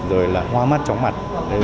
rồi là hoa mắt tróng mặt